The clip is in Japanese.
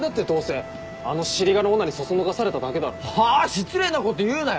失礼なこと言うなよ。